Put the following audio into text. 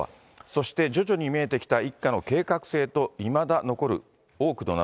そして徐々に見えてきた一家の計画性と、いまだ残る多くの謎。